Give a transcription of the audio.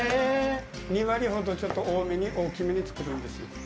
２割程、ちょっと大きめに作るんですよ。